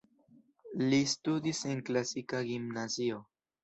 Li studis en klasika gimnazio.